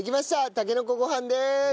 たけのこご飯です！